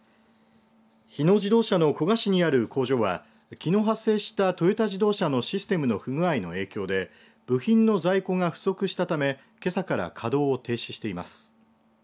日野自動車の古河市にある工場はきのう発生したトヨタ自動車のシステムの不具合の影響で部品の在庫が不足したためけさから稼働を停止しています。